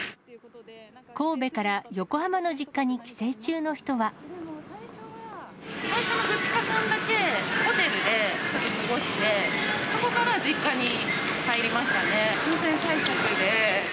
神戸から横浜の実家に帰省中最初の２日間だけホテルで過ごして、そこから実家に帰りましたね、感染対策で。